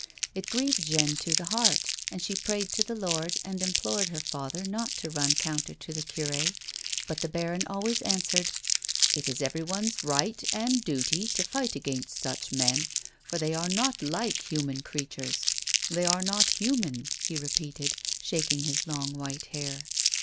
It grieved Jeanne to the heart, and she prayed to the Lord, and im A WOMAN'S LIFE. 177 plored her father not to run counter to the cur6, but the baron always answered :" It is everyone's right and duty to fight against such men, for they are not like human creatures. They are not human," he repeated, shaking his long white hair.